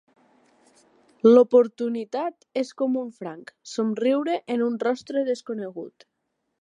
L'oportunitat és com un franc somriure en un rostre desconegut.